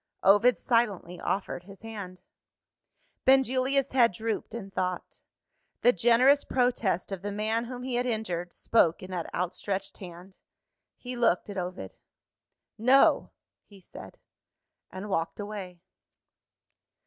Ovid silently offered his hand. Benjulia's head drooped in thought. The generous protest of the man whom he had injured, spoke in that outstretched hand. He looked at Ovid. "No!" he said and walked away.